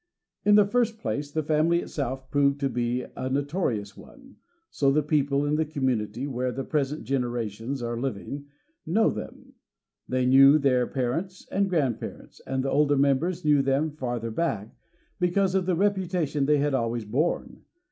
In the first place, the family itself proved to be a notorious one, so the people, in the community where the present genera tions are living, know of them ; they knew their parents and grandparents ; and the older members knew them farther back, because of the reputation they had always borne.